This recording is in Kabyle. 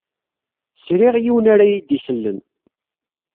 Sriɣ yiwen ara yi-d-isselen.